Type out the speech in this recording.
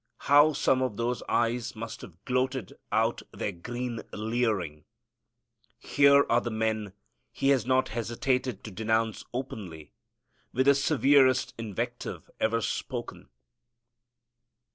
How some of those eyes must have gloated out their green leering! Here are the men He had not hesitated to denounce openly with the severest invective ever spoken.